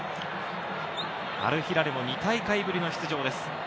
アルヒラルも２大会ぶりの出場です。